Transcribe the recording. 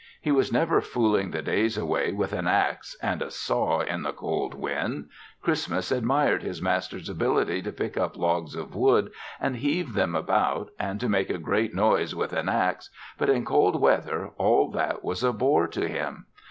He was never fooling the days away with an axe and a saw in the cold wind. Christmas admired his master's ability to pick up logs of wood and heave them about and to make a great noise with an axe but, in cold weather, all that was a bore to him.